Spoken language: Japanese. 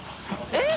えっ？